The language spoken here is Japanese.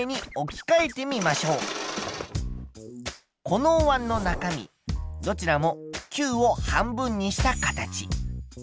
このおわんの中身どちらも球を半分にした形。